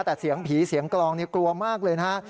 แต่เสียงผีเสียงกลองกลัวมากเลยนะฮะ